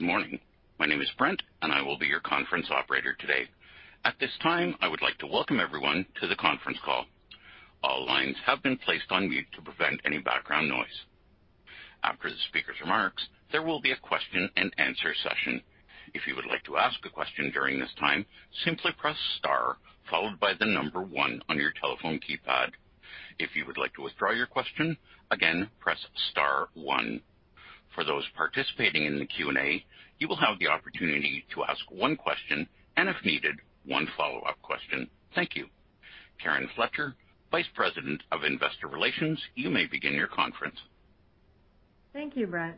Good morning. My name is Brent, and I will be your conference operator today. At this time, I would like to welcome everyone to the conference call. All lines have been placed on mute to prevent any background noise. After the speaker's remarks, there will be a question-and-answer session. If you would like to ask a question during this time, simply press Star followed by the number one on your telephone keypad. If you would like to withdraw your question, again, press Star one. For those participating in the Q&A, you will have the opportunity to ask one question and, if needed, one follow-up question. Thank you. Karen Fletcher, Vice President of Investor Relations, you may begin your conference. Thank you, Brent.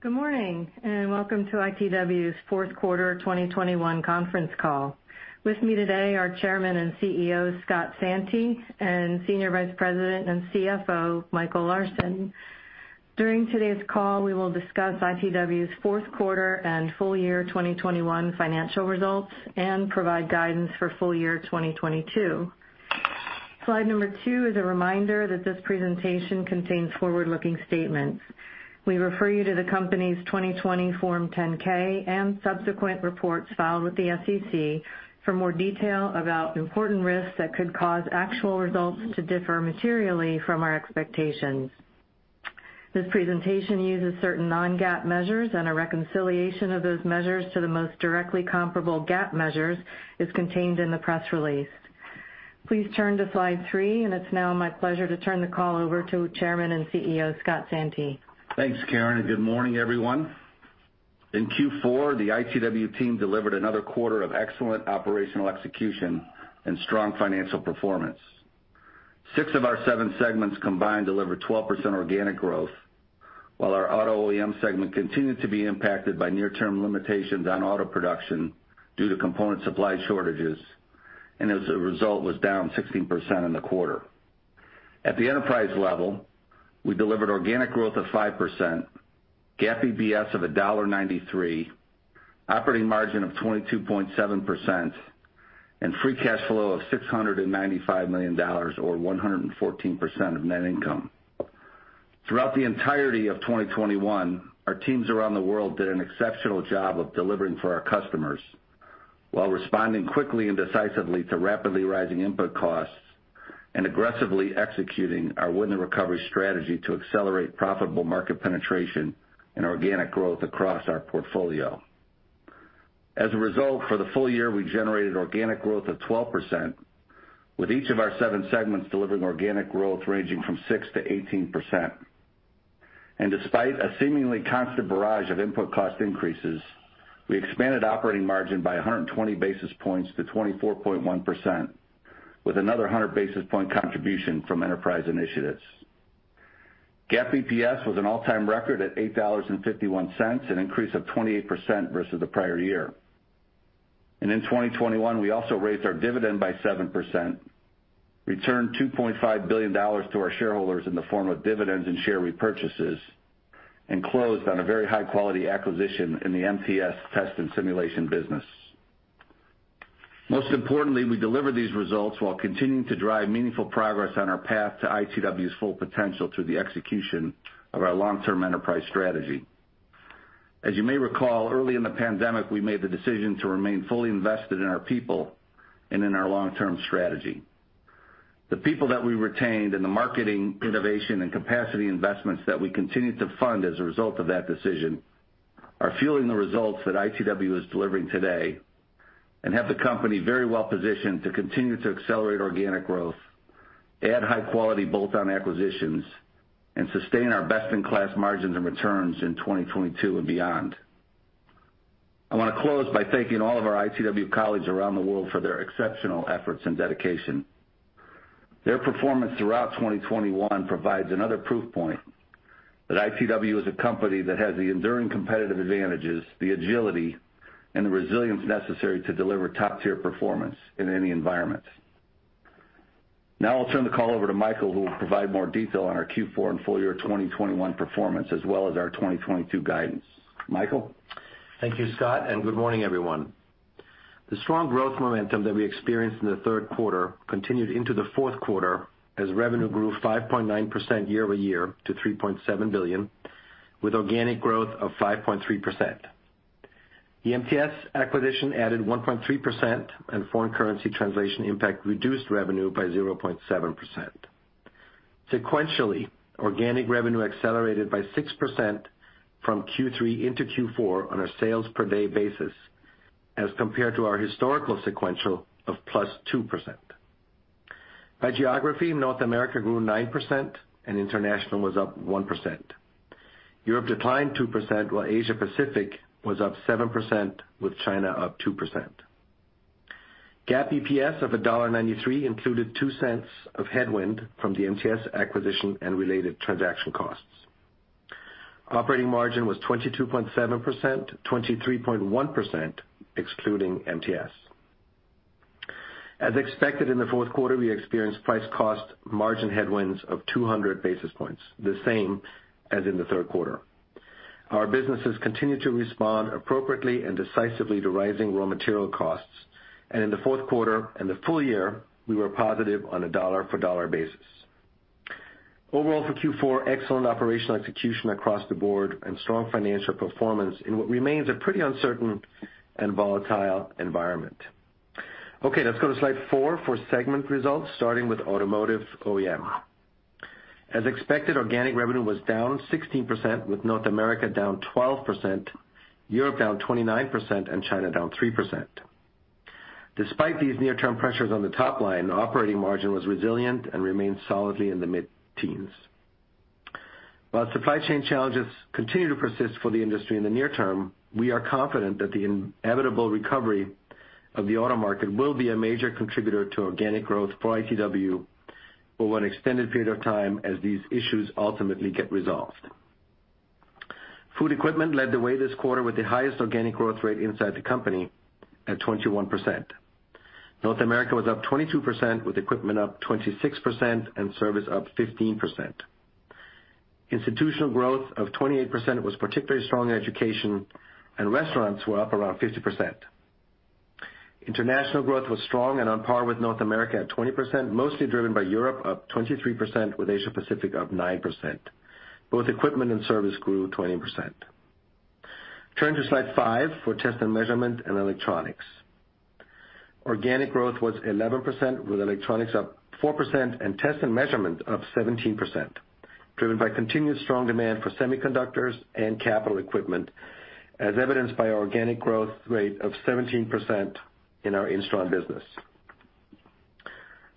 Good morning, and welcome to ITW's fourth quarter 2021 conference call. With me today are Chairman and CEO, Scott Santi, and Senior Vice President and CFO, Michael Larsen. During today's call, we will discuss ITW's fourth quarter and full-year 2021 financial results and provide guidance for full-year 2022. Slide Number 2 is a reminder that this presentation contains forward-looking statements. We refer you to the company's 2020 Form 10-K and subsequent reports filed with the SEC for more detail about important risks that could cause actual results to differ materially from our expectations. This presentation uses certain non-GAAP measures, and a reconciliation of those measures to the most directly comparable GAAP measures is contained in the press release. Please turn to Slide 3, and it's now my pleasure to turn the call over to Chairman and CEO, Scott Santi. Thanks, Karen, and good morning, everyone. In Q4, the ITW team delivered another quarter of excellent operational execution and strong financial performance. Six of our seven segments combined delivered 12% organic growth, while our Auto OEM segment continued to be impacted by near-term limitations on auto production due to component supply shortages, and as a result, was down 16% in the quarter. At the enterprise level, we delivered organic growth of 5%, GAAP EPS of $1.93, operating margin of 22.7%, and free cash flow of $695 million or 114% of net income. Throughout the entirety of 2021, our teams around the world did an exceptional job of delivering for our customers while responding quickly and decisively to rapidly rising input costs and aggressively executing our win the recovery strategy to accelerate profitable market penetration and organic growth across our portfolio. As a result, for the full-year, we generated organic growth of 12%, with each of our seven segments delivering organic growth ranging from 6%-18%. Despite a seemingly constant barrage of input cost increases, we expanded operating margin by 120 basis points to 24.1%, with another 100 basis point contribution from enterprise initiatives. GAAP EPS was an all-time record at $8.51, an increase of 28% versus the prior year. In 2021, we also raised our dividend by 7%, returned $2.5 billion to our shareholders in the form of dividends and share repurchases, and closed on a very high-quality acquisition in the MTS Test and Simulation business. Most importantly, we deliver these results while continuing to drive meaningful progress on our path to ITW's full potential through the execution of our long-term enterprise strategy. As you may recall, early in the pandemic, we made the decision to remain fully invested in our people and in our long-term strategy. The people that we retained and the marketing, innovation, and capacity investments that we continued to fund as a result of that decision are fueling the results that ITW is delivering today and have the company very well positioned to continue to accelerate organic growth, add high quality bolt-on acquisitions, and sustain our best-in-class margins and returns in 2022 and beyond. I wanna close by thanking all of our ITW colleagues around the world for their exceptional efforts and dedication. Their performance throughout 2021 provides another proof point that ITW is a company that has the enduring competitive advantages, the agility, and the resilience necessary to deliver top-tier performance in any environment. Now I'll turn the call over to Michael, who will provide more detail on our Q4 and full-year 2021 performance, as well as our 2022 guidance. Michael? Thank you, Scott, and good morning, everyone. The strong growth momentum that we experienced in the third quarter continued into the fourth quarter as revenue grew 5.9% year-over-year to $3.7 billion, with organic growth of 5.3%. The MTS acquisition added 1.3%, and foreign currency translation impact reduced revenue by 0.7%. Sequentially, organic revenue accelerated by 6% from Q3 into Q4 on a sales per day basis as compared to our historical sequential of +2%. By geography, North America grew 9% and International was up 1%. Europe declined 2%, while Asia Pacific was up 7%, with China up 2%. GAAP EPS of $1.93 included $0.02 of headwind from the MTS acquisition and related transaction costs. Operating margin was 22.7%, 23.1% excluding MTS. As expected in the fourth quarter, we experienced price cost margin headwinds of 200 basis points, the same as in the third quarter. Our businesses continued to respond appropriately and decisively to rising raw material costs. In the fourth quarter and the full-year, we were positive on a dollar-for-dollar basis. Overall for Q4, excellent operational execution across the board and strong financial performance in what remains a pretty uncertain and volatile environment. Okay, let's go to Slide 4 for segment results, starting with Automotive OEM. As expected, organic revenue was down 16%, with North America down 12%, Europe down 29%, and China down 3%. Despite these near-term pressures on the top line, operating margin was resilient and remained solidly in the mid-teens. While supply chain challenges continue to persist for the industry in the near-term, we are confident that the inevitable recovery of the auto market will be a major contributor to organic growth for ITW for an extended period of time as these issues ultimately get resolved. Food Equipment led the way this quarter with the highest organic growth rate inside the company at 21%. North America was up 22%, with equipment up 26% and service up 15%. Institutional growth of 28% was particularly strong in education, and restaurants were up around 50%. International growth was strong and on par with North America at 20%, mostly driven by Europe, up 23%, with Asia-Pacific up 9%. Both equipment and service grew 20%. Turn to Slide 5 for test and measurement and electronics. Organic growth was 11%, with electronics up 4% and test and measurement up 17%, driven by continued strong demand for semiconductors and capital equipment, as evidenced by our organic growth rate of 17% in our Instron business.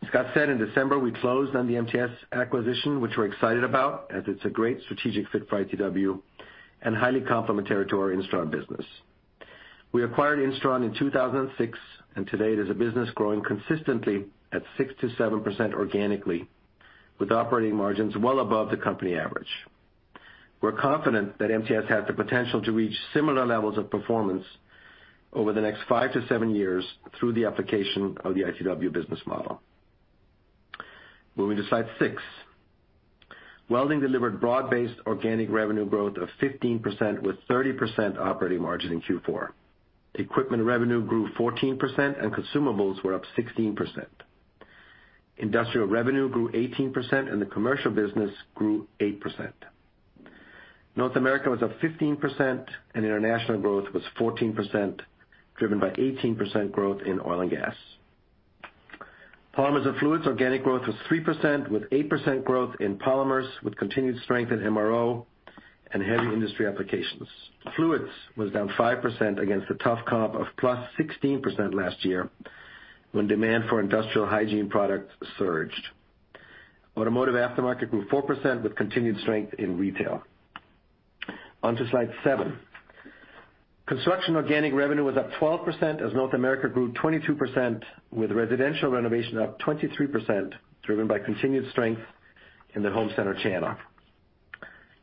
As Scott said, in December, we closed on the MTS acquisition, which we're excited about as it's a great strategic fit for ITW and highly complementary to our Instron business. We acquired Instron in 2006, and today it is a business growing consistently at 6%-7% organically, with operating margins well above the company average. We're confident that MTS has the potential to reach similar levels of performance over the next five to seven years through the application of the ITW business model. Moving to Slide 6. Welding delivered broad-based organic revenue growth of 15% with 30% operating margin in Q4. Equipment revenue grew 14%, and consumables were up 16%. Industrial revenue grew 18%, and the Commercial business grew 8%. North America was up 15%, and International growth was 14%, driven by 18% growth in oil and gas. Polymers and Fluids organic growth was 3%, with 8% growth in polymers, with continued strength in MRO and Heavy Industry Applications. Fluids was down 5% against a tough comp of +16% last year, when demand for industrial hygiene products surged. Automotive aftermarket grew 4% with continued strength in retail. On to Slide 7. Construction organic revenue was up 12% as North America grew 22% with residential renovation up 23%, driven by continued strength in the home center channel.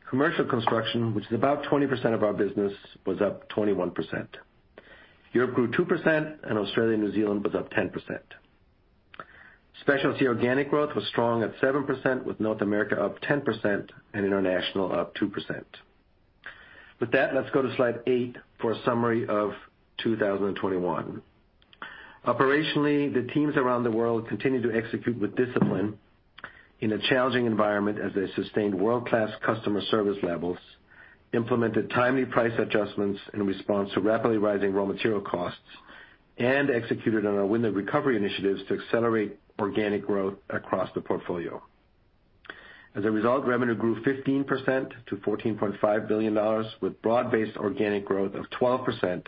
Commercial construction, which is about 20% of our business, was up 21%. Europe grew 2%, and Australia and New Zealand was up 10%. Specialty organic growth was strong at 7%, with North America up 10% and international up 2%. With that, let's go to Slide 8 for a summary of 2021. Operationally, the teams around the world continued to execute with discipline in a challenging environment as they sustained world-class customer service levels, implemented timely price adjustments in response to rapidly rising raw material costs, and executed on our win the recovery initiatives to accelerate organic growth across the portfolio. As a result, revenue grew 15% to $14.5 billion, with broad-based organic growth of 12%,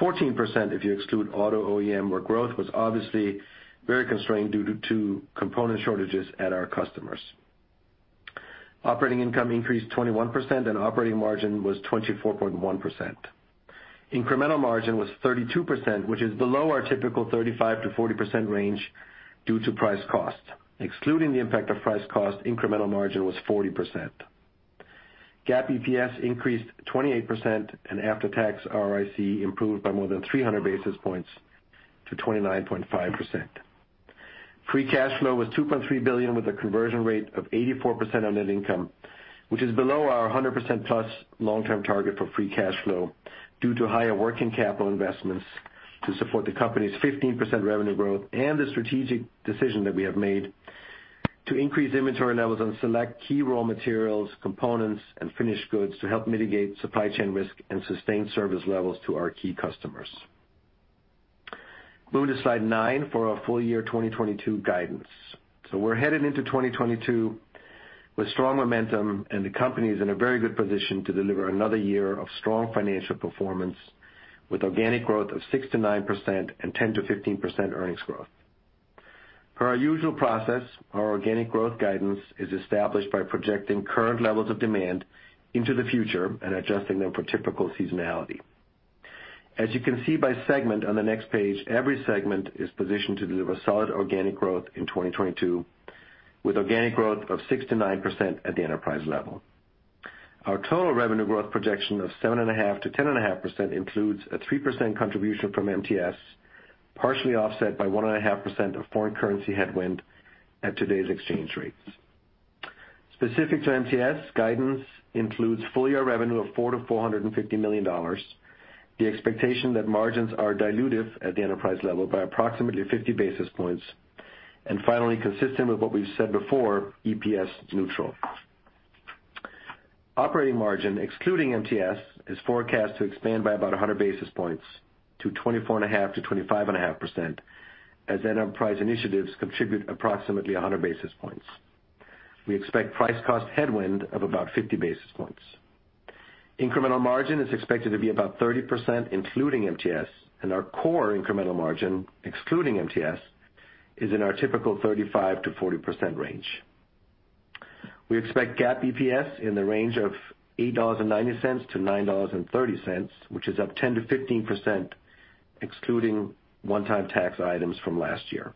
14% if you exclude auto OEM, where growth was obviously very constrained due to component shortages at our customers. Operating income increased 21%, and operating margin was 24.1%. Incremental margin was 32%, which is below our typical 35%-40% range due to price cost. Excluding the impact of price cost, incremental margin was 40%. GAAP EPS increased 28%, and after-tax ROIC improved by more than 300 basis points to 29.5%. Free cash flow was $2.3 billion with a conversion rate of 84% on net income, which is below our 100%+ long-term target for free cash flow due to higher working capital investments to support the company's 15% revenue growth and the strategic decision that we have made to increase inventory levels on select key raw materials, components, and finished goods to help mitigate supply chain risk and sustain service levels to our key customers. Moving to Slide 9 for our full-year 2022 guidance. We're headed into 2022 with strong momentum, and the company is in a very good position to deliver another year of strong financial performance with organic growth of 6%-9% and 10%-15% earnings growth. Per our usual process, our organic growth guidance is established by projecting current levels of demand into the future and adjusting them for typical seasonality. As you can see by segment on the next page, every segment is positioned to deliver solid organic growth in 2022, with organic growth of 6%-9% at the enterprise level. Our total revenue growth projection of 7.5%-10.5% includes a 3% contribution from MTS, partially offset by 1.5% of foreign currency headwind at today's exchange rates. Specific to MTS, guidance includes full-year revenue of $400 million-$450 million, the expectation that margins are dilutive at the enterprise level by approximately 50 basis points, and finally, consistent with what we've said before, EPS neutral. Operating margin, excluding MTS, is forecast to expand by about 100 basis points to 24.5%-25.5% as enterprise initiatives contribute approximately 100 basis points. We expect price cost headwind of about 50 basis points. Incremental margin is expected to be about 30%, including MTS, and our core incremental margin, excluding MTS, is in our typical 35%-40% range. We expect GAAP EPS in the range of $8.90-$9.30, which is up 10%-15% excluding one-time tax items from last year.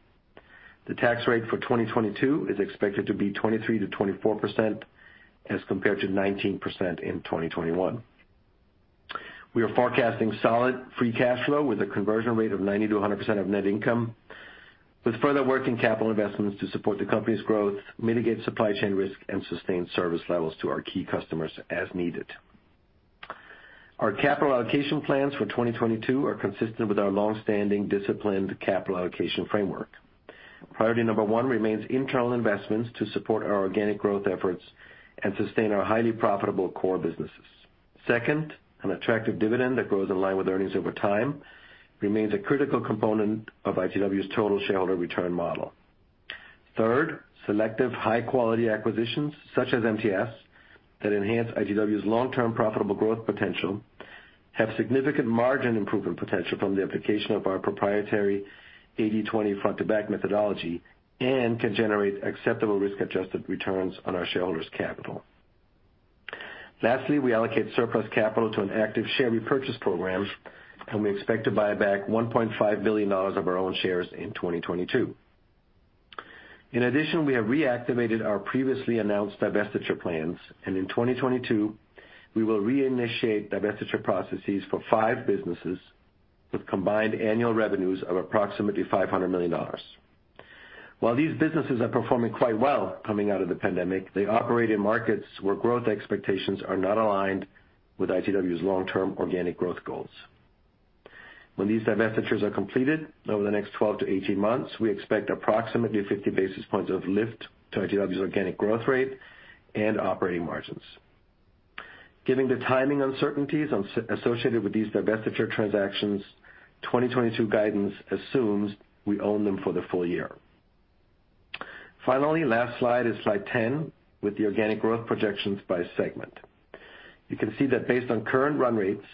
The tax rate for 2022 is expected to be 23%-24% as compared to 19% in 2021. We are forecasting solid free cash flow with a conversion rate of 90%-100% of net income, with further working capital investments to support the company's growth, mitigate supply chain risk, and sustain service levels to our key customers as needed. Our capital allocation plans for 2022 are consistent with our long-standing disciplined capital allocation framework. Priority number one remains internal investments to support our organic growth efforts and sustain our highly profitable core businesses. Second, an attractive dividend that grows in line with earnings over time remains a critical component of ITW's total shareholder return model. Third, selective high-quality acquisitions, such as MTS, that enhance ITW's long-term profitable growth potential have significant margin improvement potential from the application of our proprietary 80/20 front-to-back methodology and can generate acceptable risk-adjusted returns on our shareholders' capital. Lastly, we allocate surplus capital to an active share repurchase program, and we expect to buy back $1.5 billion of our own shares in 2022. In addition, we have reactivated our previously announced divestiture plans, and in 2022, we will reinitiate divestiture processes for five businesses with combined annual revenues of approximately $500 million. While these businesses are performing quite well coming out of the pandemic, they operate in markets where growth expectations are not aligned with ITW's long-term organic growth goals. When these divestitures are completed over the next 12 to 18 months, we expect approximately 50 basis points of lift to ITW's organic growth rate and operating margins. Given the timing uncertainties associated with these divestiture transactions, 2022 guidance assumes we own them for the full-year. Finally, last slide is Slide 10 with the organic growth projections by segment. You can see that based on current run rates,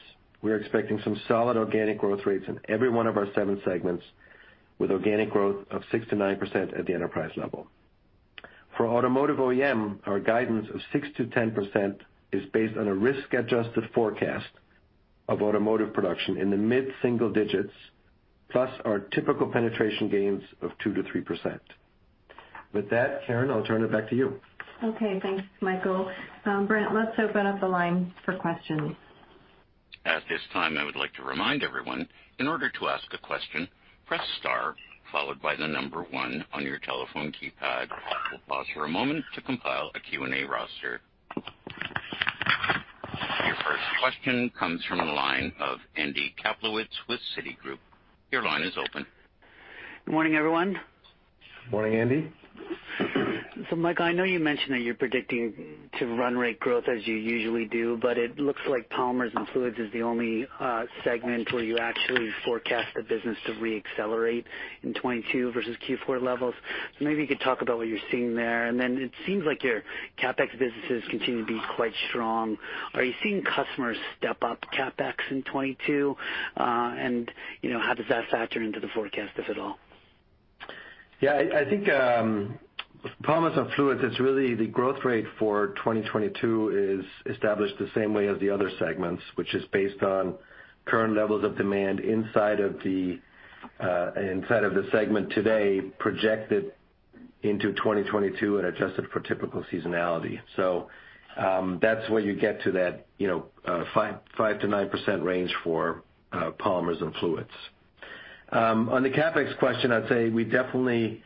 we are expecting some solid organic growth rates in every one of our seven segments, with organic growth of 6%-9% at the enterprise level. For Automotive OEM, our guidance of 6%-10% is based on a risk-adjusted forecast of Automotive production in the mid-single digits, plus our typical penetration gains of 2%-3%. With that, Karen, I'll turn it back to you. Okay. Thanks, Michael. Brent, let's open up the line for questions. At this time, I would like to remind everyone, in order to ask a question, press Star followed by the number one on your telephone keypad. We'll pause for a moment to compile a Q&A roster. Your first question comes from the line of Andy Kaplowitz with Citigroup. Your line is open. Good morning, everyone. Morning, Andy. Michael, I know you mentioned that you're predicting to run rate growth as you usually do, but it looks like Polymers and Fluids is the only segment where you actually forecast the business to re-accelerate in 2022 versus Q4 levels. Maybe you could talk about what you're seeing there. Then it seems like your CapEx businesses continue to be quite strong. Are you seeing customers step up CapEx in 2022? You know, how does that factor into the forecast, if at all? Yeah, I think polymers and fluids, it's really the growth rate for 2022 is established the same way as the other segments, which is based on current levels of demand inside of the segment today projected into 2022 and adjusted for typical seasonality. That's where you get to that, you know, 5%-9% range for polymers and fluids. On the CapEx question, I'd say we definitely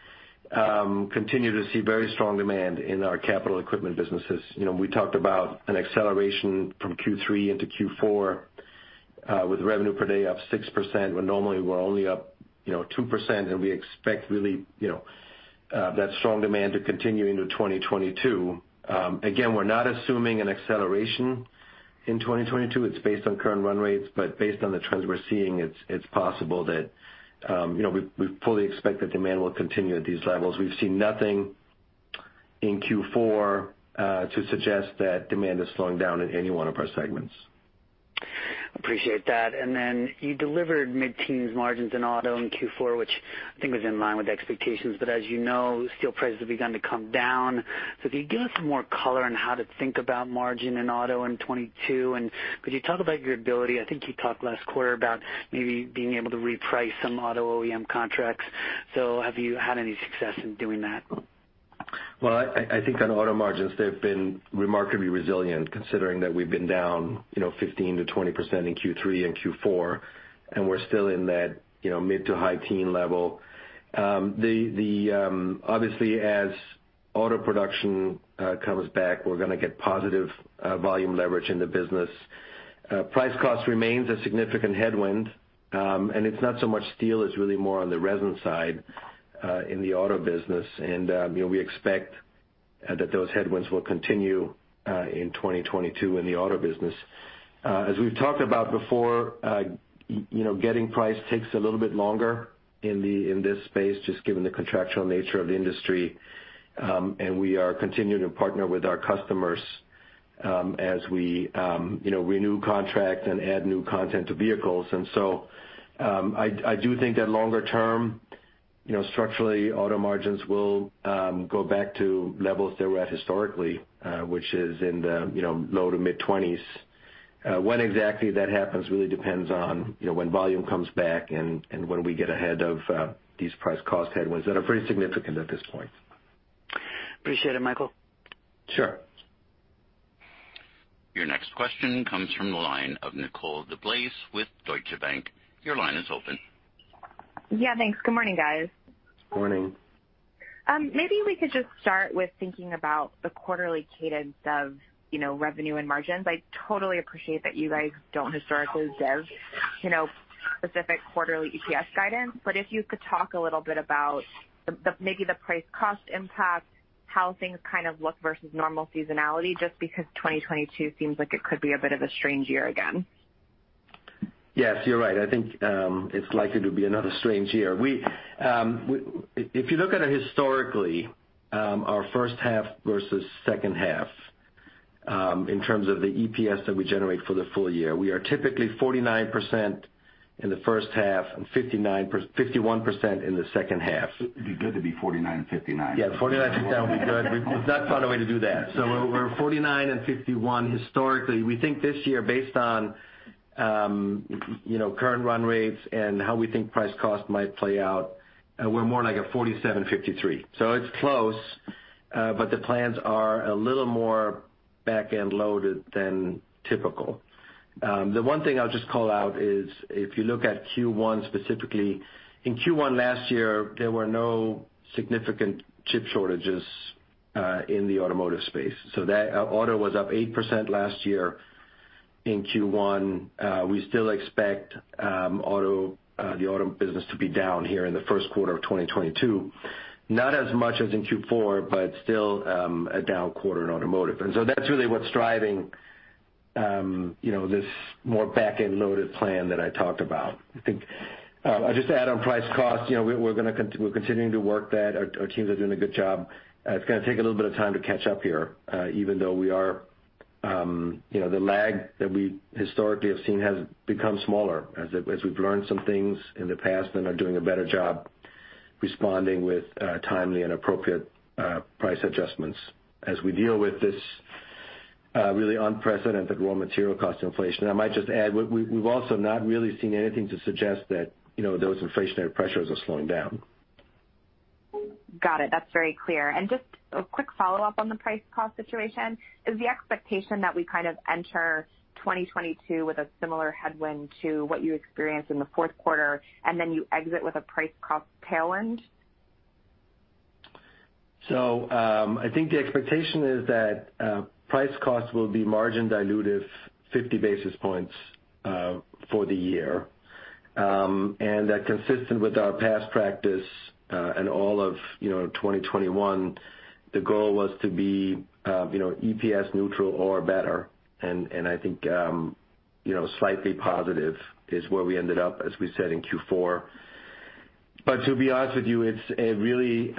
continue to see very strong demand in our capital equipment businesses. You know, we talked about an acceleration from Q3 into Q4 with revenue per day up 6%, when normally we're only up 2%, and we expect really that strong demand to continue into 2022. Again, we're not assuming an acceleration in 2022. It's based on current run rates, but based on the trends we're seeing, it's possible that, you know, we fully expect that demand will continue at these levels. We've seen nothing in Q4 to suggest that demand is slowing down in any one of our segments. Appreciate that. Then you delivered mid-teens margins in auto in Q4, which I think was in line with expectations, but as you know, steel prices have begun to come down. If you give us some more color on how to think about margin in auto in 2022, and could you talk about your ability? I think you talked last quarter about maybe being able to reprice some auto OEM contracts. Have you had any success in doing that? Well, I think on auto margins, they've been remarkably resilient considering that we've been down, you know, 15%-20% in Q3 and Q4, and we're still in that, you know, mid- to high-teens level. Obviously as auto production comes back, we're gonna get positive volume leverage in the business. Price cost remains a significant headwind, and it's not so much steel, it's really more on the resin side. In the Auto business, and you know, we expect that those headwinds will continue in 2022 in the Auto business. As we've talked about before, you know, getting price takes a little bit longer in this space, just given the contractual nature of the industry. We are continuing to partner with our customers, as we, you know, renew contracts and add new content to vehicles. I do think that longer-term, you know, structurally auto margins will go back to levels they were at historically, which is in the, you know, low- to mid-20s%. When exactly that happens really depends on, you know, when volume comes back and when we get ahead of these price cost headwinds that are pretty significant at this point. Appreciate it, Michael. Sure. Your next question comes from the line of Nicole DeBlase with Deutsche Bank. Your line is open. Yeah, thanks. Good morning, guys. Morning. Maybe we could just start with thinking about the quarterly cadence of, you know, revenue and margins. I totally appreciate that you guys don't historically give, you know, specific quarterly EPS guidance, but if you could talk a little bit about the maybe price cost impact, how things kind of look versus normal seasonality, just because 2022 seems like it could be a bit of a strange year again. Yes, you're right. I think, it's likely to be another strange year. If you look at it historically, our first half versus second half, in terms of the EPS that we generate for the full-year, we are typically 49% in the first half and 51% in the second half. It'd be good to be 49% and 59%. Yeah, 49%-59% would be good. We've not found a way to do that. We're 49%-51% historically. We think this year based on, you know, current run rates and how we think price cost might play out, we're more like a 47%-53%. It's close, but the plans are a little more back-end loaded than typical. The one thing I'll just call out is if you look at Q1 specifically, in Q1 last year, there were no significant chip shortages in the Automotive space. Auto was up 8% last year in Q1. We still expect the auto business to be down here in the first quarter of 2022. Not as much as in Q4, but still, a down quarter in Automotive. That's really what's driving you know this more back-end loaded plan that I talked about. I think I'll just add on price cost. You know, we're continuing to work that. Our teams are doing a good job. It's gonna take a little bit of time to catch up here, even though you know the lag that we historically have seen has become smaller as we've learned some things in the past and are doing a better job responding with timely and appropriate price adjustments as we deal with this really unprecedented raw material cost inflation. I might just add, we've also not really seen anything to suggest that, you know, those inflationary pressures are slowing down. Got it. That's very clear. Just a quick follow-up on the price cost situation. Is the expectation that we kind of enter 2022 with a similar headwind to what you experienced in the fourth quarter, and then you exit with a price cost tailwind? I think the expectation is that price cost will be margin dilutive 50 basis points for the year. That consistent with our past practice and all of you know 2021 the goal was to be you know EPS neutral or better. I think you know slightly positive is where we ended up as we said in Q4. To be honest with you it's a really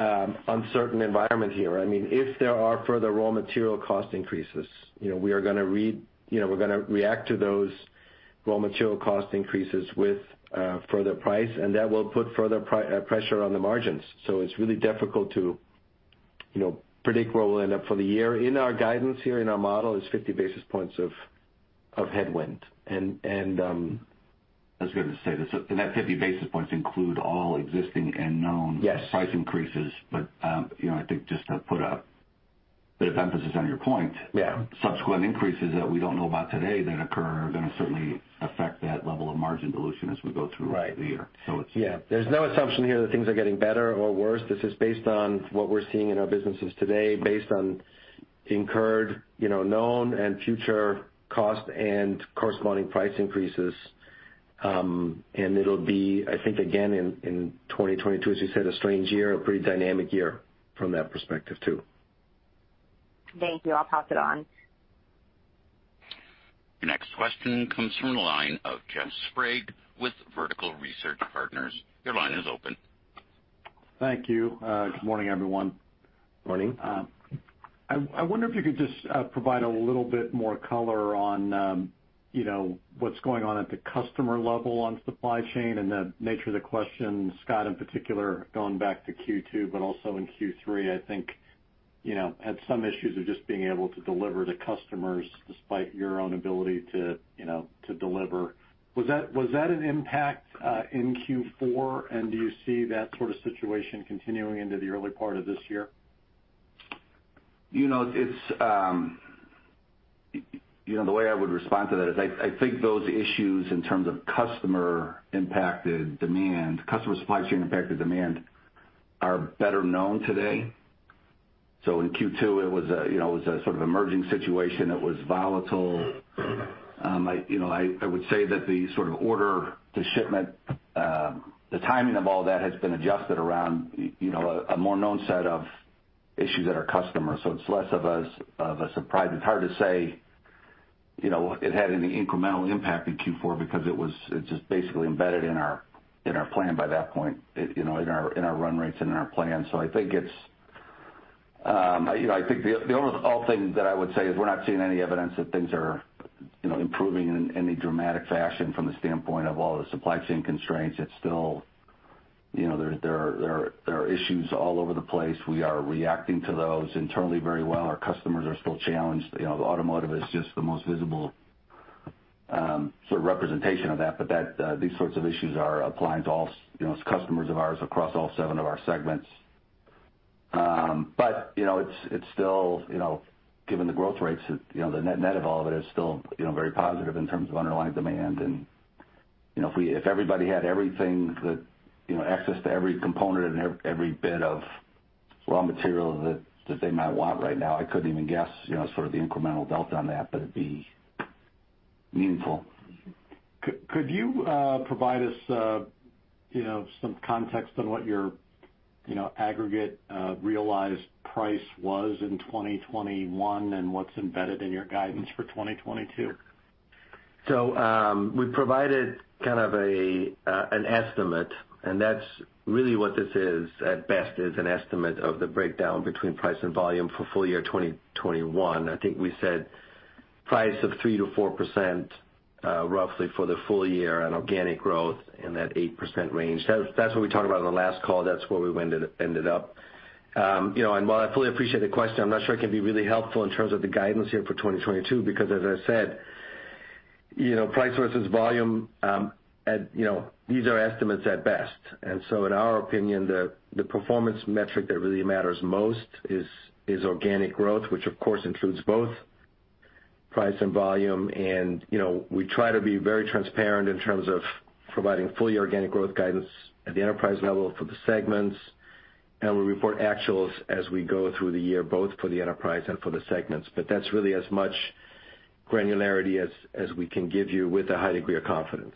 uncertain environment here. I mean if there are further raw material cost increases you know we're gonna react to those raw material cost increases with further price and that will put further pressure on the margins. It's really difficult to you know predict where we'll end up for the year. In our guidance here in our model is 50 basis points of headwind. I was gonna say this, and that 50 basis points include all existing and known. Yes. -price increases. You know, I think just to put a bit of emphasis on your point- Yeah. Subsequent increases that we don't know about today that occur are gonna certainly affect that level of margin dilution as we go through. Right. the year. It's Yeah. There's no assumption here that things are getting better or worse. This is based on what we're seeing in our businesses today, based on incurred, you know, known and future cost and corresponding price increases. It'll be, I think, again in 2022, as you said, a strange year, a pretty dynamic year from that perspective too. Thank you. I'll pass it on. Your next question comes from the line of Jeff Sprague with Vertical Research Partners. Your line is open. Thank you. Good morning, everyone. Morning. I wonder if you could just provide a little bit more color on, you know, what's going on at the customer level on supply chain and the nature of the question, Scott in particular, going back to Q2, but also in Q3, I think, you know, had some issues of just being able to deliver to customers despite your own ability to, you know, to deliver. Was that an impact in Q4, and do you see that sort of situation continuing into the early part of this year? You know, it's the way I would respond to that is I think those issues in terms of customer impacted demand, customer supply chain impacted demand are better known today. In Q2, it was a you know, it was a sort of emerging situation. It was volatile. I would say that the sort of order to shipment, the timing of all that has been adjusted around, you know, a more known set of issues at our customers. It's less of a surprise. It's hard to say, you know, it had any incremental impact in Q4 because it's just basically embedded in our plan by that point, you know, in our run rates and in our plans. I think the overall thing that I would say is we're not seeing any evidence that things are improving in any dramatic fashion from the standpoint of all the supply chain constraints. It's still. There are issues all over the place. We are reacting to those internally very well. Our customers are still challenged. The Automotive is just the most visible sort of representation of that, but these sorts of issues are applying to all customers of ours across all seven of our segments. It's still, given the growth rates, the net of all of it is still very positive in terms of underlying demand. You know, if everybody had everything that, you know, access to every component and every bit of raw material that they might want right now, I couldn't even guess, you know, sort of the incremental delta on that, but it'd be meaningful. Could you provide us, you know, some context on what your, you know, aggregate realized price was in 2021 and what's embedded in your guidance for 2022? We provided kind of an estimate, and that's really what this is at best, is an estimate of the breakdown between price and volume for full-year 2021. I think we said price of 3%-4%, roughly for the full-year on organic growth in that 8% range. That's what we talked about on the last call. That's where we ended up. You know, while I fully appreciate the question, I'm not sure it can be really helpful in terms of the guidance here for 2022 because as I said, you know, price versus volume, at, you know, these are estimates at best. In our opinion, the performance metric that really matters most is organic growth, which of course includes both price and volume. You know, we try to be very transparent in terms of providing full-year organic growth guidance at the enterprise level for the segments. We report actuals as we go through the year, both for the enterprise and for the segments. That's really as much granularity as we can give you with a high degree of confidence.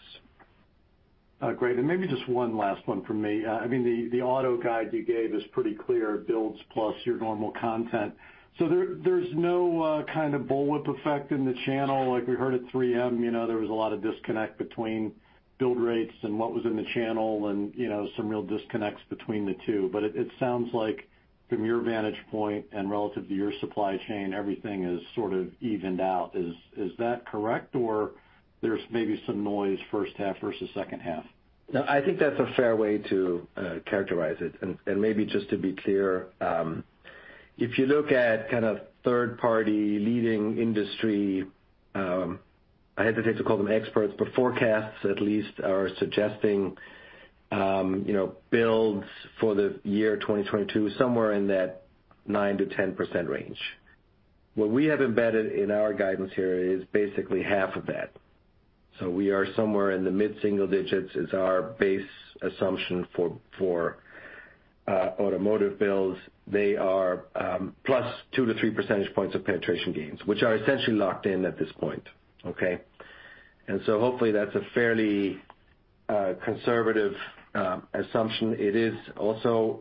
Great. Maybe just one last one from me. I mean, the auto guide you gave is pretty clear, builds plus your normal content. So there's no kind of bullwhip effect in the channel like we heard at 3M. You know, there was a lot of disconnect between build rates and what was in the channel and, you know, some real disconnects between the two. It sounds like from your vantage point and relative to your supply chain, everything is sort of evened out. Is that correct, or there's maybe some noise first half versus second half? No, I think that's a fair way to characterize it. Maybe just to be clear, if you look at kind of third party leading industry, I hesitate to call them experts, but forecasts at least are suggesting, you know, builds for the year 2022 somewhere in that 9%-10% range. What we have embedded in our guidance here is basically half of that. We are somewhere in the mid-single digits is our base assumption for automotive builds. They are +2%-3% points of penetration gains, which are essentially locked in at this point, okay? Hopefully that's a fairly conservative assumption. It is also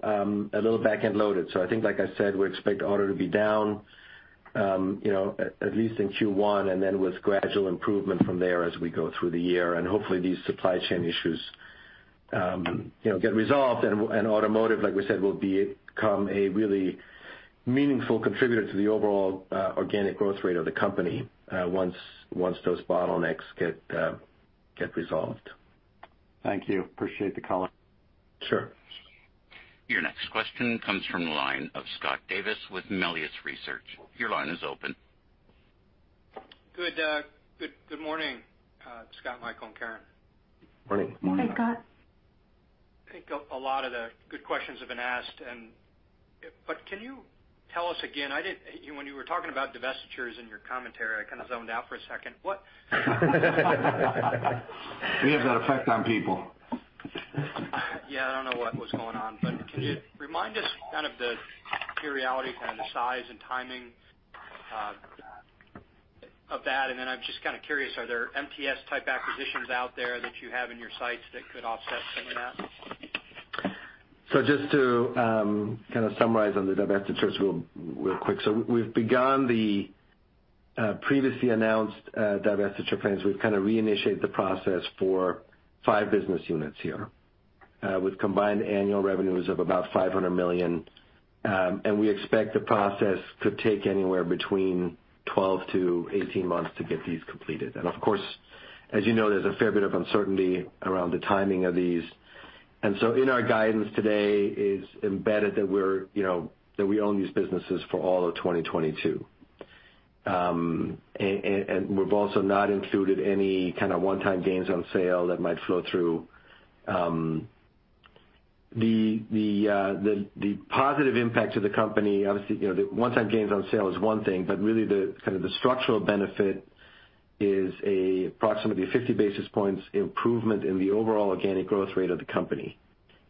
a little back-end loaded. I think, like I said, we expect auto to be down, you know, at least in Q1, and then with gradual improvement from there as we go through the year. Hopefully these supply chain issues, you know, get resolved and Automotive, like we said, will become a really meaningful contributor to the overall, organic growth rate of the company, once those bottlenecks get resolved. Thank you. Appreciate the color. Sure. Your next question comes from the line of Scott Davis with Melius Research. Your line is open. Good morning, Scott, Michael, and Karen. Morning. Morning. Hey, Scott. I think a lot of the good questions have been asked. Can you tell us again? When you were talking about divestitures in your commentary, I kind of zoned out for a second. What- We have that effect on people. Yeah, I don't know what was going on. But can you remind us kind of the materiality, kind of the size and timing, of that? I'm just kind of curious, are there MTS-type acquisitions out there that you have in your sights that could offset some of that? Just to kind of summarize on the divestitures real quick. We've begun the previously announced divestiture plans. We've kind of reinitiated the process for five business units here with combined annual revenues of about $500 million. We expect the process could take anywhere between 12-18 months to get these completed. Of course, as you know, there's a fair bit of uncertainty around the timing of these. In our guidance today is embedded that we're, you know, that we own these businesses for all of 2022. We've also not included any kind of one-time gains on sale that might flow through. The positive impact to the company, obviously, you know, the one-time gains on sale is one thing, but really kind of the structural benefit is approximately 50 basis points improvement in the overall organic growth rate of the company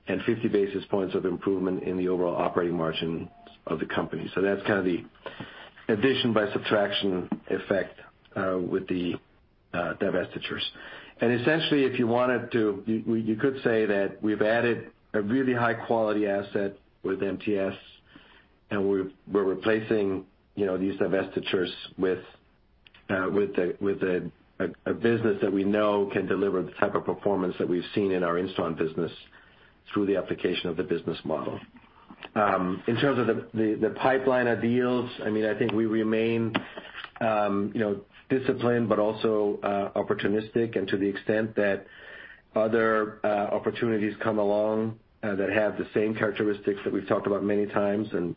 and 50 basis points of improvement in the overall operating margin of the company. That's kind of the addition by subtraction effect with the divestitures. Essentially, if you wanted to, you could say that we've added a really high-quality asset with MTS, and we're replacing, you know, these divestitures with a business that we know can deliver the type of performance that we've seen in our Instron business through the application of the business model. In terms of the pipeline of deals, I mean, I think we remain, you know, disciplined but also opportunistic. To the extent that other opportunities come along that have the same characteristics that we've talked about many times, and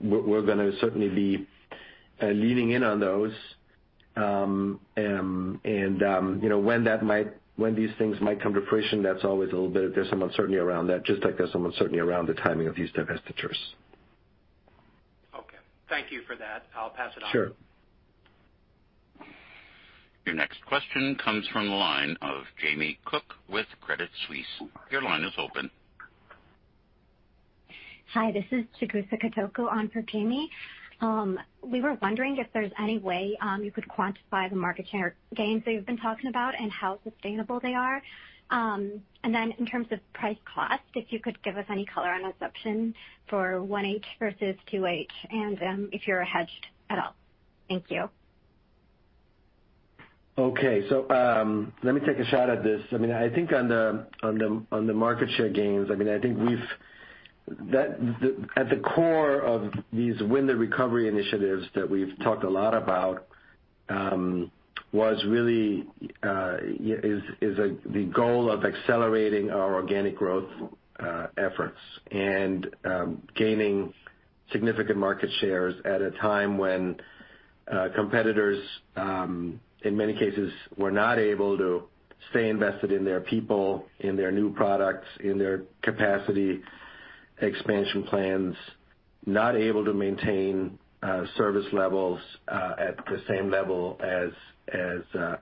we're gonna certainly be leaning in on those. You know, when these things might come to fruition, there's some uncertainty around that, just like there's some uncertainty around the timing of these divestitures. Okay. Thank you for that. I'll pass it on. Sure. Your next question comes from the line of Jamie Cook with Credit Suisse. Your line is open. Hi, this is Chigusa Katoku on for Jamie. We were wondering if there's any way you could quantify the market share gains that you've been talking about and how sustainable they are. In terms of price cost, if you could give us any color on assumption for 1H versus 2H and if you're hedged at all. Thank you. Okay. Let me take a shot at this. I mean, I think on the market share gains. At the core of these win the recovery initiatives that we've talked a lot about is the goal of accelerating our organic growth efforts and gaining significant market shares at a time when competitors in many cases were not able to stay invested in their people, in their new products, in their capacity expansion plans, not able to maintain service levels at the same level as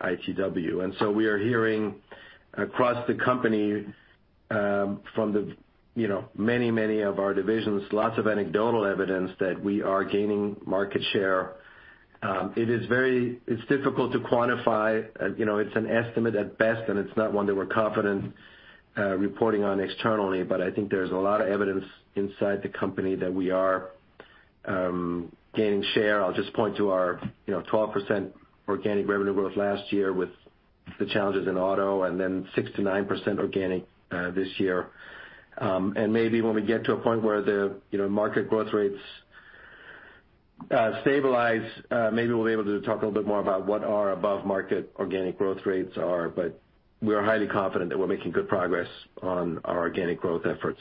ITW. We are hearing across the company from the, you know, many of our divisions lots of anecdotal evidence that we are gaining market share. It's difficult to quantify. You know, it's an estimate at best, and it's not one that we're confident reporting on externally. But I think there's a lot of evidence inside the company that we are gaining share. I'll just point to our, you know, 12% organic revenue growth last year with the challenges in auto and then 6%-9% organic this year. Maybe when we get to a point where the, you know, market growth rates stabilize, maybe we'll be able to talk a little bit more about what our above market organic growth rates are, but we are highly confident that we're making good progress on our organic growth efforts.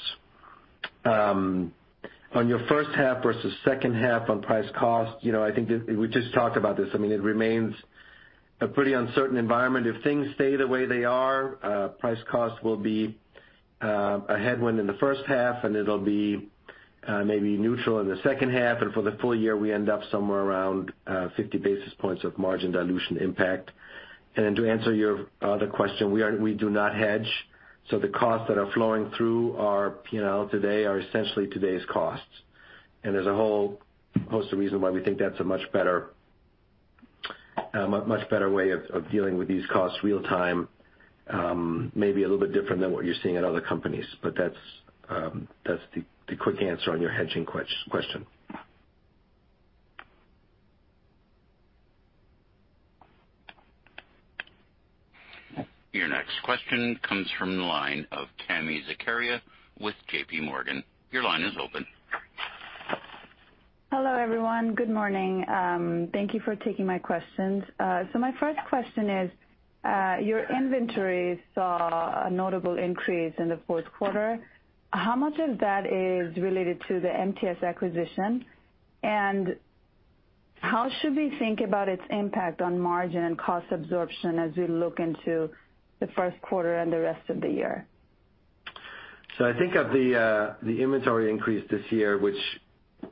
On your first half versus second half on price cost, you know, I think we just talked about this. I mean, it remains a pretty uncertain environment. If things stay the way they are, price cost will be a headwind in the first half, and it'll be maybe neutral in the second half. For the full-year, we end up somewhere around 50 basis points of margin dilution impact. To answer your other question, we do not hedge. The costs that are flowing through our P&L today are essentially today's costs. There's a whole host of reasons why we think that's a much better way of dealing with these costs real-time, maybe a little bit different than what you're seeing at other companies. That's the quick answer on your hedging question. Your next question comes from the line of Tami Zakaria with JP Morgan. Your line is open. Hello, everyone. Good morning. Thank you for taking my questions. My first question is, your inventory saw a notable increase in the fourth quarter. How much of that is related to the MTS acquisition? And how should we think about its impact on margin and cost absorption as we look into the first quarter and the rest of the year? I think of the inventory increase this year, which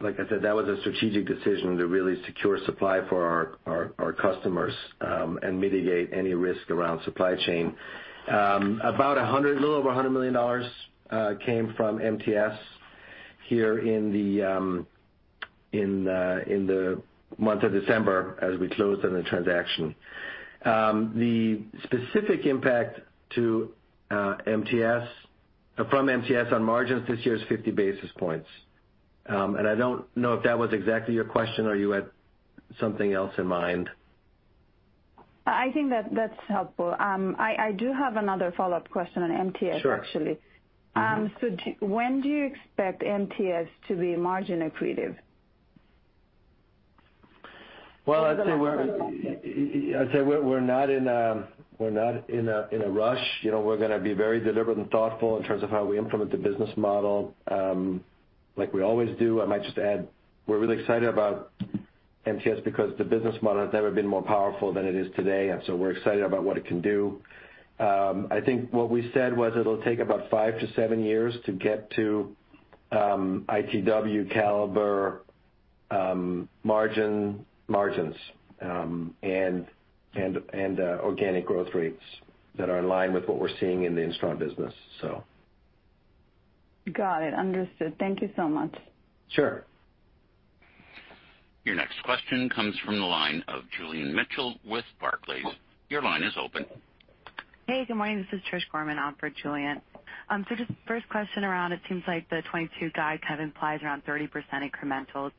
like I said, that was a strategic decision to really secure supply for our customers, and mitigate any risk around supply chain. A little over $100 million came from MTS here in the month of December as we closed on the transaction. The specific impact from MTS on margins this year is 50 basis points. I don't know if that was exactly your question or you had something else in mind. I think that's helpful. I do have another follow-up question on MTS, actually. Sure. When do you expect MTS to be margin accretive? Well, I'd say we're not in a rush. You know, we're gonna be very deliberate and thoughtful in terms of how we implement the business model, like we always do. I might just add, we're really excited about MTS because the business model has never been more powerful than it is today, and so we're excited about what it can do. I think what we said was it'll take about five to seven years to get to ITW caliber, margins, and organic growth rates that are in line with what we're seeing in the Instron business, so. Got it. Understood. Thank you so much. Sure. Your next question comes from the line of Julian Mitchell with Barclays. Your line is open. Hey, good morning. This is Trish Gorman on for Julian. Just first question around, it seems like the 2022 guide kind of implies around 30% incrementals.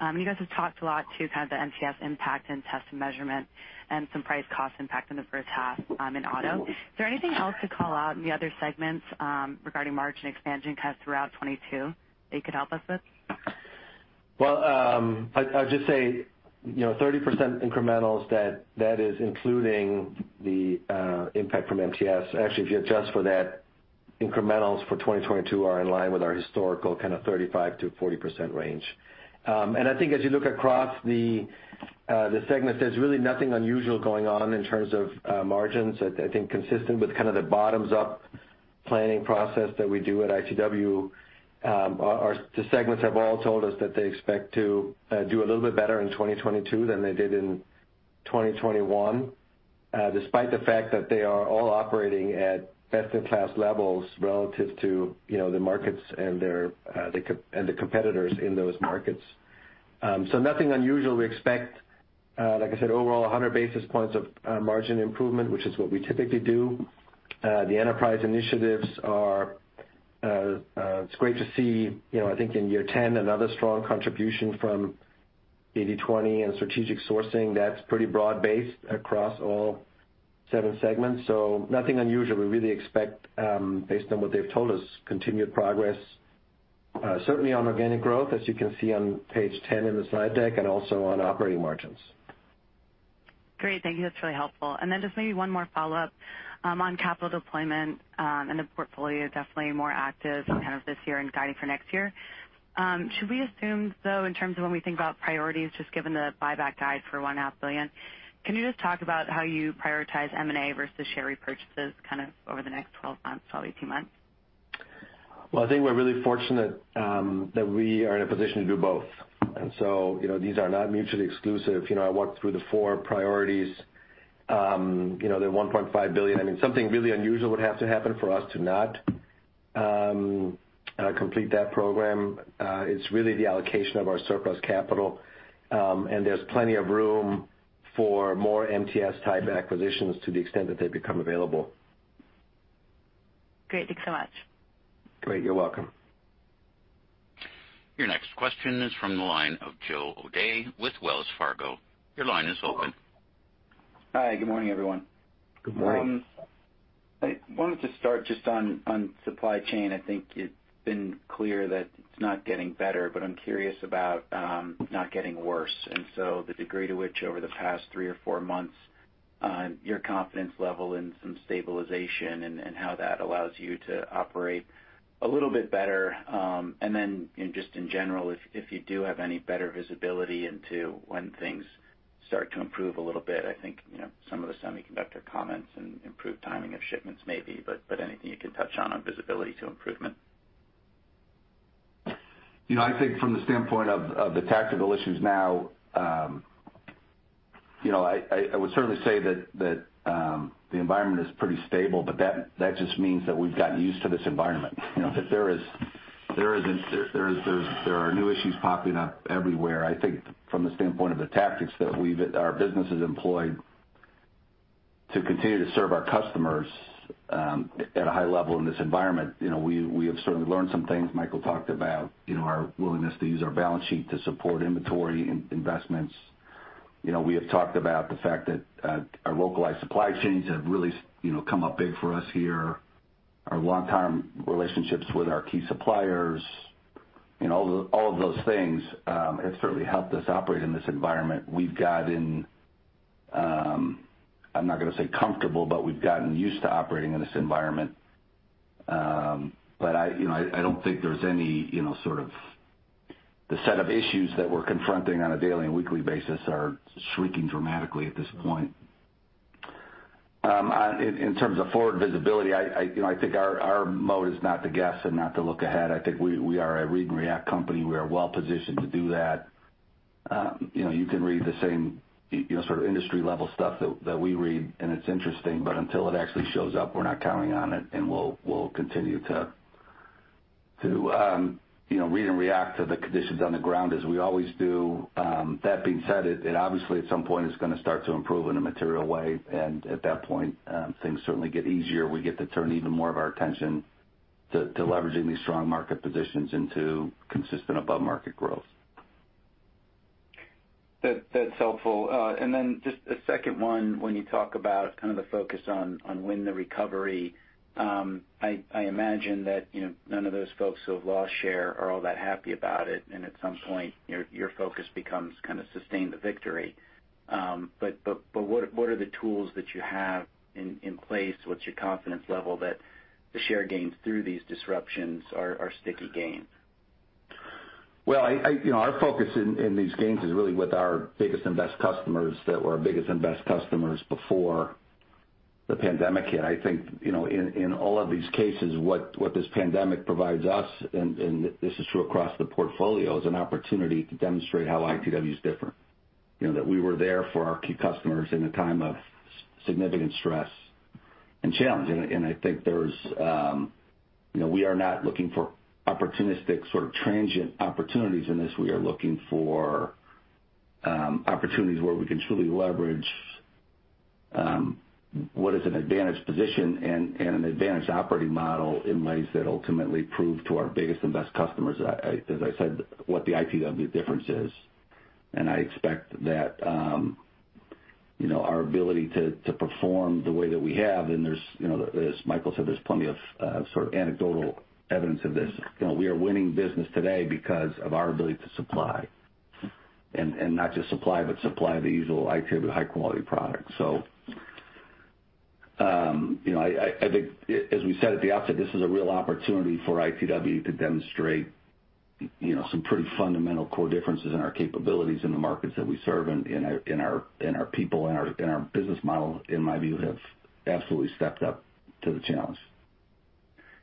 You guys have talked a lot too kind of the MTS impact in test and measurement and some price cost impact in the first half, in auto. Is there anything else to call out in the other segments, regarding margin expansion kind of throughout 2022 that you could help us with? I'd just say, you know, 30% incrementals, that is including the impact from MTS. Actually, if you adjust for that, incrementals for 2022 are in line with our historical kind of 35%-40% range. I think as you look across the segments, there's really nothing unusual going on in terms of margins. I think consistent with kind of the bottom-up planning process that we do at ITW, the segments have all told us that they expect to do a little bit better in 2022 than they did in 2021, despite the fact that they are all operating at best-in-class levels relative to, you know, the markets and the competitors in those markets. Nothing unusual. We expect, like I said, overall 100 basis points of margin improvement, which is what we typically do. The enterprise initiatives are, it's great to see, you know, I think in year 10, another strong contribution from 80/20 and strategic sourcing that's pretty broad-based across all seven segments. Nothing unusual. We really expect, based on what they've told us, continued progress, certainly on organic growth, as you can see on Page 10 in the slide deck, and also on operating margins. Great. Thank you. That's really helpful. Just maybe one more follow-up on capital deployment and the portfolio definitely more active kind of this year and guiding for next year. Should we assume, though, in terms of when we think about priorities, just given the buyback guide for $500 million, can you just talk about how you prioritize M&A versus share repurchases kind of over the next 12-18 months? Well, I think we're really fortunate that we are in a position to do both. You know, these are not mutually exclusive. You know, I walked through the four priorities. You know, the $1.5 billion, I mean, something really unusual would have to happen for us to not complete that program. It's really the allocation of our surplus capital, and there's plenty of room for more MTS type acquisitions to the extent that they become available. Great. Thank you so much. Great. You're welcome. Your next question is from the line of Joe O'Dea with Wells Fargo. Your line is open. Hi. Good morning, everyone. Good morning. I wanted to start just on supply chain. I think it's been clear that it's not getting better, but I'm curious about not getting worse. The degree to which over the past three or four months your confidence level in some stabilization and how that allows you to operate a little bit better. You know, just in general, if you do have any better visibility into when things start to improve a little bit. I think, you know, some of the semiconductor comments and improved timing of shipments maybe, but anything you can touch on visibility to improvement. You know, I think from the standpoint of the tactical issues now, you know, I would certainly say that the environment is pretty stable, but that just means that we've gotten used to this environment. You know, that there are new issues popping up everywhere. I think from the standpoint of the tactics that our businesses employed to continue to serve our customers at a high level in this environment, you know, we have certainly learned some things. Michael talked about, you know, our willingness to use our balance sheet to support inventory investments. You know, we have talked about the fact that our localized supply chains have really you know, come up big for us here, our long-term relationships with our key suppliers. You know, all of those things have certainly helped us operate in this environment. We've gotten, I'm not gonna say comfortable, but we've gotten used to operating in this environment. I, you know, I don't think there's any, you know, sort of the set of issues that we're confronting on a daily and weekly basis are shrinking dramatically at this point. In terms of forward visibility, I, you know, I think our mode is not to guess and not to look ahead. I think we are a read and react company. We are well positioned to do that. You know, you can read the same, you know, sort of industry level stuff that we read, and it's interesting, but until it actually shows up, we're not counting on it, and we'll continue to, you know, read and react to the conditions on the ground as we always do. That being said, it obviously at some point is gonna start to improve in a material way, and at that point, things certainly get easier. We get to turn even more of our attention to leveraging these strong market positions into consistent above market growth. That's helpful. Just a second one, when you talk about kind of the focus on when the recovery, I imagine that, you know, none of those folks who have lost share are all that happy about it, and at some point, your focus becomes kind of sustain the victory. What are the tools that you have in place? What's your confidence level that the share gains through these disruptions are sticky gains? Well, I you know, our focus in these gains is really with our biggest and best customers that were our biggest and best customers before the pandemic hit. I think you know, in all of these cases, what this pandemic provides us, and this is true across the portfolio, is an opportunity to demonstrate how ITW is different. You know, that we were there for our key customers in a time of significant stress and challenge. I think there's. You know, we are not looking for opportunistic sort of transient opportunities in this. We are looking for opportunities where we can truly leverage what is an advantage position and an advantage operating model in ways that ultimately prove to our biggest and best customers, as I said, what the ITW difference is. I expect that, you know, our ability to perform the way that we have, and there's, you know, as Michael said, plenty of sort of anecdotal evidence of this. You know, we are winning business today because of our ability to supply, and not just supply, but supply the usual ITW high quality product. You know, I think as we said at the outset, this is a real opportunity for ITW to demonstrate, you know, some pretty fundamental core differences in our capabilities in the markets that we serve, and our people and our business model, in my view, have absolutely stepped up to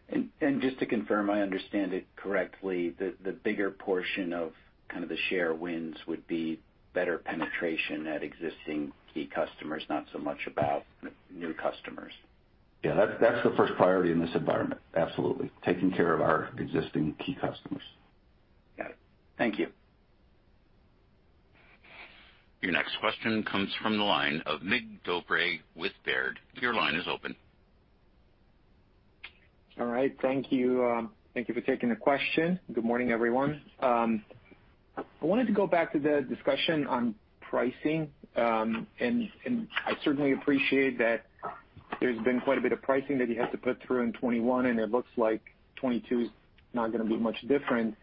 the challenge. Just to confirm I understand it correctly, the bigger portion of kind of the share wins would be better penetration at existing key customers, not so much about new customers. Yeah. That's the first priority in this environment. Absolutely. Taking care of our existing key customers. Got it. Thank you. Your next question comes from the line of Mig Dobre with Baird. Your line is open. All right. Thank you. Thank you for taking the question. Good morning, everyone. I wanted to go back to the discussion on pricing. I certainly appreciate that there's been quite a bit of pricing that you had to put through in 2021, and it looks like 2022 is not gonna be much different.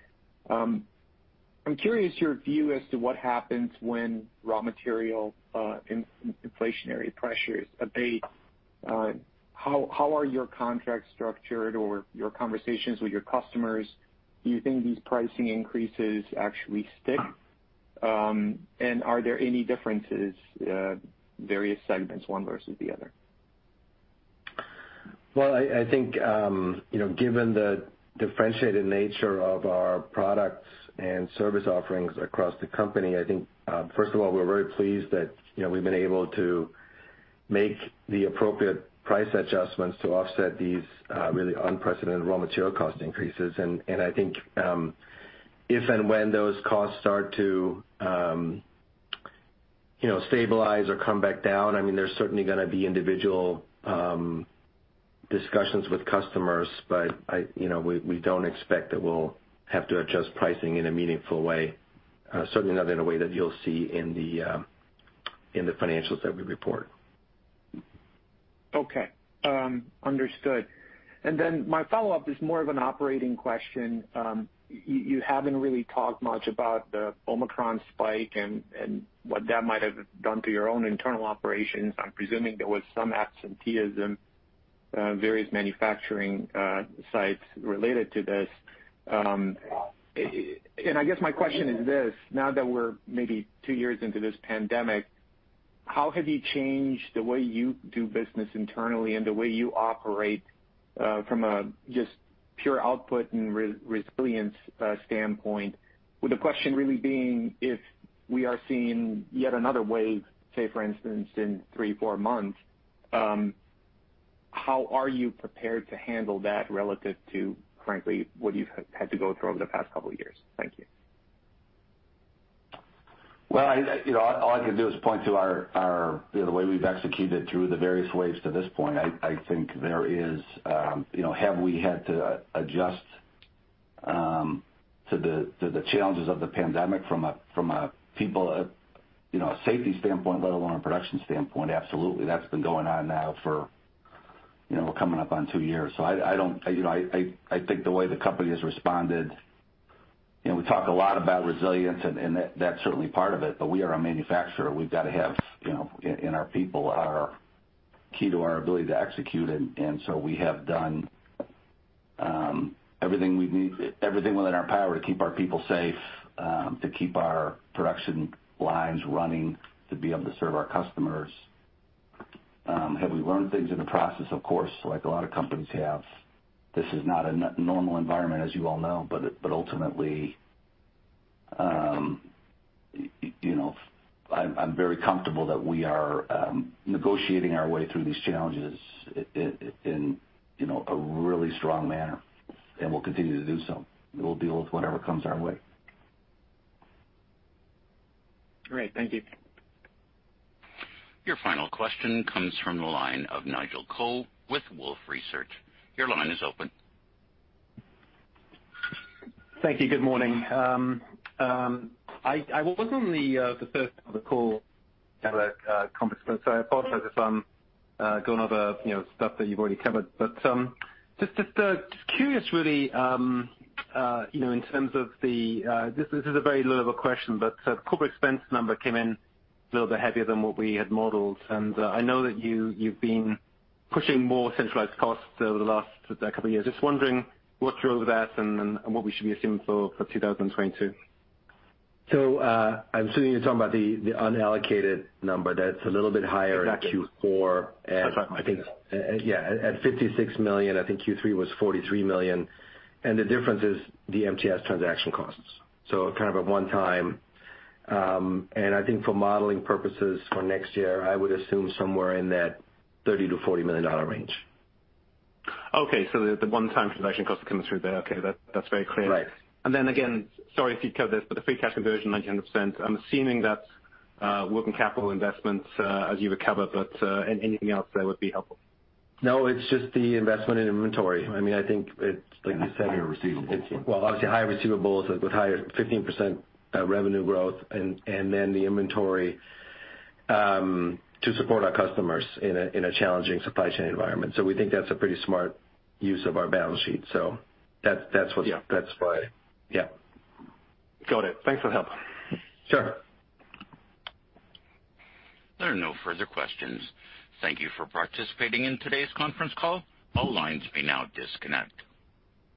I'm curious your view as to what happens when raw material inflationary pressures abate. How are your contracts structured or your conversations with your customers? Do you think these pricing increases actually stick? Are there any differences various segments, one versus the other? Well, I think, you know, given the differentiated nature of our products and service offerings across the company, I think, first of all, we're very pleased that, you know, we've been able to make the appropriate price adjustments to offset these really unprecedented raw material cost increases. I think, if and when those costs start to, you know, stabilize or come back down, I mean, there's certainly gonna be individual discussions with customers. I, you know, we don't expect that we'll have to adjust pricing in a meaningful way, certainly not in a way that you'll see in the financials that we report. Okay. Understood. Then my follow-up is more of an operating question. You haven't really talked much about the Omicron spike and what that might have done to your own internal operations. I'm presuming there was some absenteeism, various manufacturing sites related to this. And I guess my question is this, now that we're maybe two years into this pandemic, how have you changed the way you do business internally and the way you operate, from a just pure output and resilience standpoint? With the question really being if we are seeing yet another wave, say for instance, in three to four months, how are you prepared to handle that relative to, frankly, what you've had to go through over the past couple of years? Thank you. I, you know, all I can do is point to our you know, the way we've executed through the various waves to this point. I think there is you know, have we had to adjust to the challenges of the pandemic from a people you know, a safety standpoint, let alone a production standpoint? Absolutely. That's been going on now for you know, we're coming up on two years. You know, I think the way the company has responded, you know, we talk a lot about resilience and that's certainly part of it. We are a manufacturer. We've got to have you know, and our people are key to our ability to execute. We have done everything within our power to keep our people safe, to keep our production lines running, to be able to serve our customers. Have we learned things in the process? Of course, like a lot of companies have. This is not a normal environment, as you all know. Ultimately, you know, I'm very comfortable that we are negotiating our way through these challenges in, you know, a really strong manner, and we'll continue to do so. We'll deal with whatever comes our way. Great. Thank you. Your final question comes from the line of Nigel Coe with Wolfe Research. Your line is open. Thank you. Good morning. I wasn't on the first part of the conference call, so I apologize if I'm going over, you know, stuff that you've already covered. Just curious really, you know. This is a very little bit of a question, but corporate expense number came in a little bit heavier than what we had modeled. I know that you've been pushing more centralized costs over the last couple years. Just wondering what's your outlook on that and what we should be assuming for 2022. I'm assuming you're talking about the unallocated number that's a little bit higher. Exactly. in Q4. That's what I think. At $56 million. I think Q3 was $43 million. The difference is the MTS transaction costs. Kind of a one-time. I think for modeling purposes for next year, I would assume somewhere in that $30 million-$40 million range. Okay. The one-time transaction cost are coming through there. Okay, that's very clear. Right. Again, sorry if you covered this, but the free cash conversion, 90%, I'm assuming that's working capital investments as you would cover. Anything else that would be helpful. No, it's just the investment in inventory. I mean, I think it's like you said. Higher receivables. Well, obviously higher receivables with higher 15% revenue growth and then the inventory to support our customers in a challenging supply chain environment. We think that's a pretty smart use of our balance sheet. That's what's- Yeah. That's why. Yeah. Got it. Thanks for the help. Sure. There are no further questions. Thank you for participating in today's conference call. All lines may now disconnect.